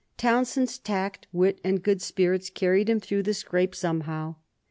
Townshend's tact, wit, and good spirits carried him through the scrape somehow.